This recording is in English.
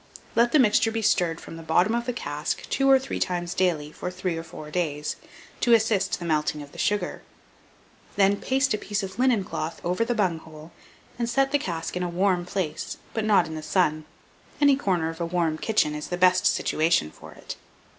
Let the mixture be stirred from the bottom of the cask two or three times daily for three or four days, to assist the melting of the sugar; then paste a piece of linen cloth over the bunghole, and set the cask in a warm place, but not in the sun; any corner of a warm kitchen is the best situation for it.